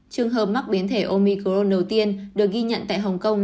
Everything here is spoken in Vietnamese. trường hợp mắc biến thể omicro đầu tiên được ghi nhận tại hồng kông